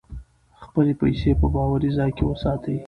خپلې پیسې په باوري ځای کې وساتئ.